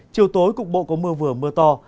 chiều tối cục bộ có mưa vừa mưa to